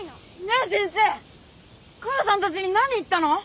ねぇ先生母さんたちに何言ったの？